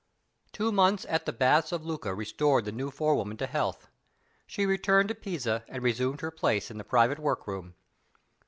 Two months at the baths of Lucca restored the new forewoman to health. She returned to Pisa, and resumed her place in the private work room.